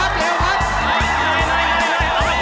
เร็ว